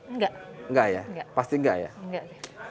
enggak enggak ya pasti enggak ya